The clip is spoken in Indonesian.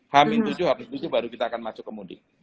h tujuh baru kita akan masuk ke mudik